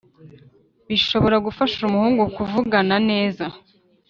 bishobora gufasha umuhungu kuvugana neza